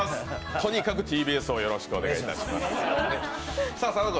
とにかくＴＢＳをよろしくお願いします。